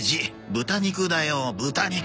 豚肉だよ豚肉。